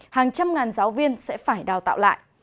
hàng trăm ngàn giáo viên sẽ phải đào tạo lại